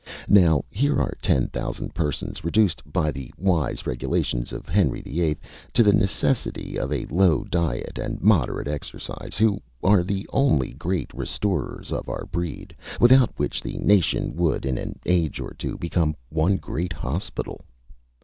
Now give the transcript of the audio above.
Now, here are ten thousand persons reduced, by the wise regulations of Henry VIII., to the necessity of a low diet, and moderate exercise, who are the only great restorers of our breed, without which the nation would in an age or two become one great hospital.